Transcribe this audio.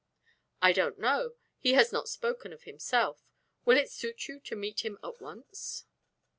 "I don't know. He has not spoken of himself. Will it suit you to meet him at once?"